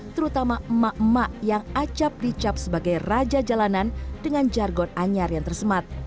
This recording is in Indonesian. terutama emak emak yang acap dicap sebagai raja jalanan dengan jargon anyar yang tersemat